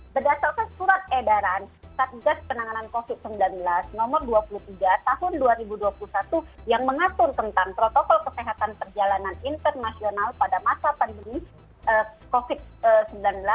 berdasarkan surat edaran satgas penanganan covid sembilan belas nomor dua puluh tiga tahun dua ribu dua puluh satu yang mengatur tentang protokol kesehatan perjalanan internasional pada masa pandemi covid sembilan belas